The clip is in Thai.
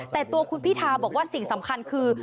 แต่ตัวคุณพิทาบอกว่าสิ่งสำคัญคือ